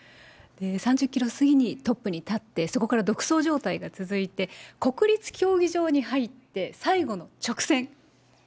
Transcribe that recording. ３０キロ過ぎにトップに立って、そこから独走状態が続いて、国立競技場に入って、最後の直線。